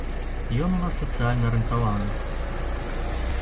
Ён у нас сацыяльна арыентаваны.